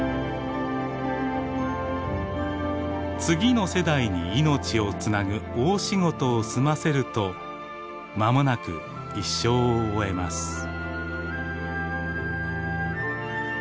次の世代に命をつなぐ大仕事を済ませるとまもなく一生を終えます。